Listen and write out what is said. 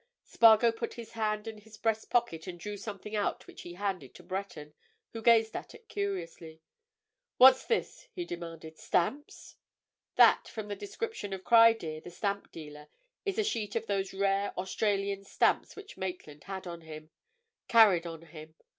Spargo put his hand in his breast pocket and drew something out which he handed to Breton, who gazed at it curiously. "What's this?" he demanded. "Stamps?" "That, from the description of Criedir, the stamp dealer, is a sheet of those rare Australian stamps which Maitland had on him—carried on him.